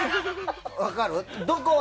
分かる？